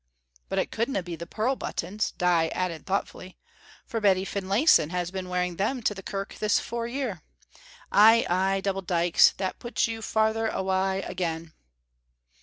"But it couldna be the pearl buttons," Dite added thoughtfully, "for Betty Finlayson has been wearing them to the kirk this four year. Ay, ay, Double Dykes, that puts you farther awa' again."